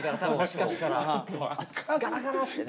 ガラガラってね。